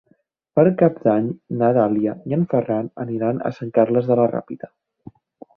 Per Cap d'Any na Dàlia i en Ferran aniran a Sant Carles de la Ràpita.